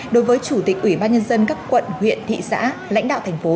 đối với chủ tịch ủy ban nhân dân các quận huyện thị xã lãnh đạo thành phố